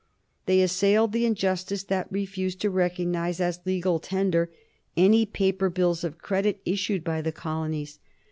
They assailed the injustice that refused to recognize as legal tender any paper bills of credit issued by the colonies.